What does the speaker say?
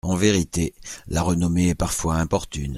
En vérité, la renommée est parfois importune.